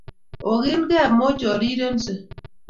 Ogilikei mochorirense